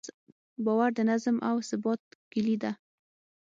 باور د نظم او ثبات کیلي ده.